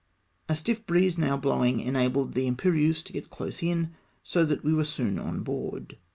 A stiff breeze now blowing, enabled the Imperieuse to get close in, so that we were soon on board.